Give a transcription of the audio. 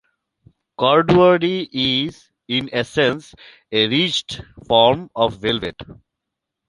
Corduroy is, in essence, a ridged form of velvet.